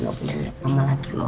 gak boleh liat mama lagi loh